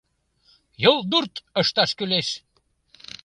Юлдурт ышташ кӱлеш!